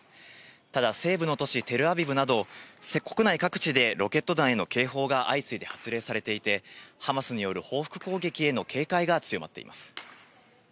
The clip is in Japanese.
ただ、西部の都市テルアビブなど、国内各地でロケット弾への警報が相次いで発令されていて、ハマスによる報復攻撃への警戒が強まっています。